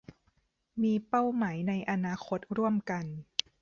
มีเป้าหมายในอนาคตร่วมกัน